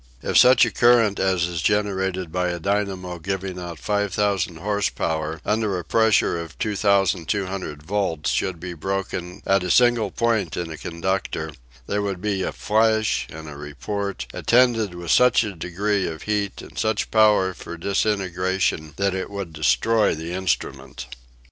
If such a current as is generated by a dynamo giving out 5000 horse power under a pressure of 2200 volts should be broken at a single point in a conductor, there would be a flash and a report, attended with such a degree of heat and such power for disintegration that it would destroy the instrument.